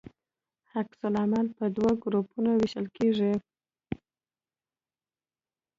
عکس العمل په دوه ګروپونو ویشل کیږي.